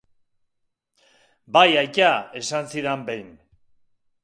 Bai, aita, esan zidan behin.